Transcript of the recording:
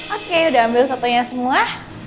oke udah ambil satunya semua